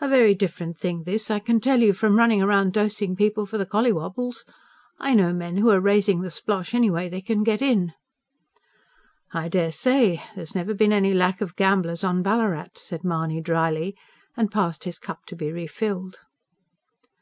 "A very different thing this, I can tell you, from running round dosing people for the collywobbles. I know men who are raising the splosh any way they can to get in." "I dare say. There's never been any lack of gamblers on Ballarat," said Mahony dryly, and passed his cup to be refilled.